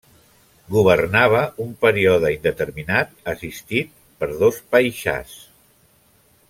Governava un període indeterminat assistit per dos paixàs.